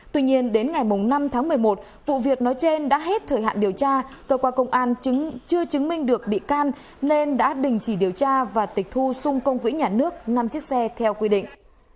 tuy nhiên đến ngày năm tháng một mươi một vụ việc nói trên đã hết thời hạn điều tra cơ quan công an chưa chứng minh được bị can nên đã đình chỉ điều tra và tịch thu xung công quỹ nhà nước năm chiếc xe theo quy định